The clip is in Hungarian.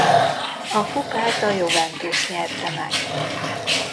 A kupát a Juventus nyerte meg.